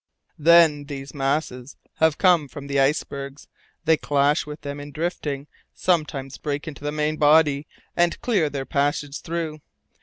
"Then these masses have come from the icebergs.(1) They clash with them in drifting, sometimes break into the main body, and clear their passage through.